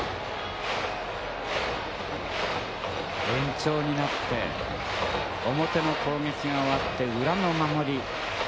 延長になって表の攻撃が終わって裏の守り。